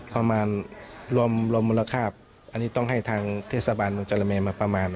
ประมาณรวมมูลค่าอันนี้ต้องให้ทางเทศบาลเมืองจรแมนมาประมาณ